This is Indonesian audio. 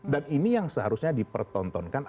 dan ini yang seharusnya dipertontonkan